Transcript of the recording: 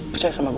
percaya sama gue